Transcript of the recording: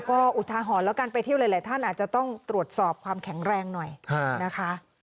ก็อุทาหรณ์แล้วกันไปเที่ยวหลายท่านอาจจะต้องตรวจสอบความแข็งแรงหน่อยนะคะ